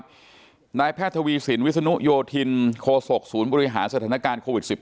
พูดด้วยกันนะครับนายแพทย์ทวีสินวิศนุโยธินโฆษกศูนย์บริหารสถานการณ์โควิด๑๙